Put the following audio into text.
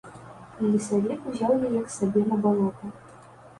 І лесавік узяў яе к сабе на балота.